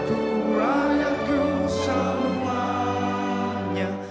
pemirsa dan hadirin sekalian